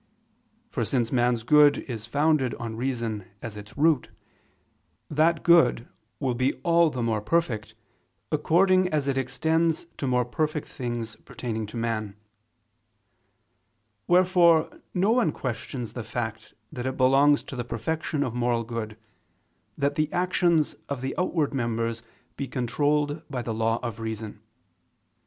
For since man's good is founded on reason as its root, that good will be all the more perfect, according as it extends to more things pertaining to man. Wherefore no one questions the fact that it belongs to the perfection of moral good, that the actions of the outward members be controlled by the law of reason.